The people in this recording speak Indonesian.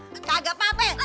kagak apa apa ya